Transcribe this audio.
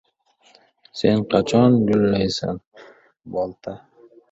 san qachon gullaysan, Bolta?